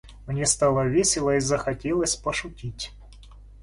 Мне стало весело и захотелось пошутить.